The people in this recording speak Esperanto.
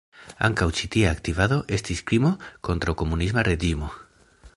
Ankaŭ ĉi tia aktivado estis krimo kontraŭ komunisma reĝimo.